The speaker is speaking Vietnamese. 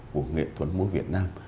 của nghệ thuật múa việt nam